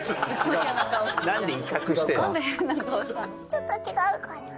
ちょっと違うかな。